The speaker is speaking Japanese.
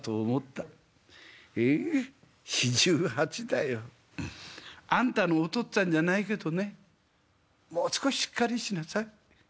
４８だよ。あんたのお父っつぁんじゃないけどねもう少ししっかりしなさい。